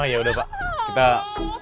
oh ya udah pak kita masuk dulu ya